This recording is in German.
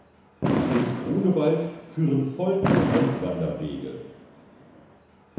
Durch Grunewald führen folgende Rundwanderwege.